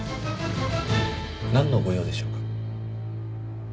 なんのご用でしょうか？